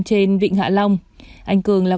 trên vịnh hạ long anh cường là